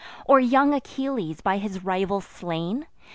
Or young Achilles, by his rival slain?